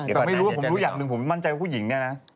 แต่ไม่รู้ว่าผมรู้อย่างหนึ่งผมมั่นใจว่าผู้หญิงเนี่ยนะ